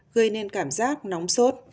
gây nên cảm giác nóng sốt